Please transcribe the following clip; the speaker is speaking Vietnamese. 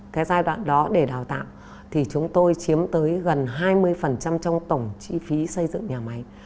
cái giai đoạn đó để đào tạo thì chúng tôi chiếm tới gần hai mươi trong tổng chi phí xây dựng nhà máy